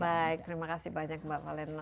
baik terima kasih banyak mbak valen